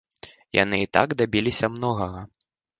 Яны і так дабіліся многага.